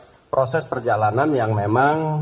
untuk membuat proses perjalanan yang memang